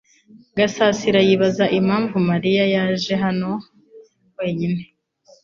Gasasira yibaza impamvu Mariya yaje hano wenyine .